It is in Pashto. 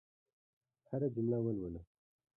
هره جمله ولوله.